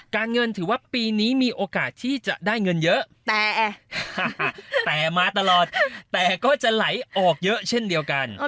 เงินถือว่าปีนี้มีโอกาสที่จะได้เงินเยอะแต่มาตลอดแต่ก็จะไหลออกเยอะเช่นเดียวกัน